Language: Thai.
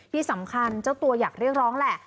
ที่สำคัญเจ้าตัวอยากเรียกร้องแหละ